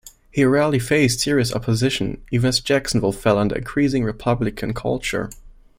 He rarely faced serious opposition, even as Jacksonville fell under increasing Republican influence.